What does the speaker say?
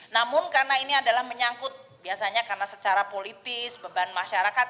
namun karena ini adalah menyangkut biasanya karena secara politis beban masyarakat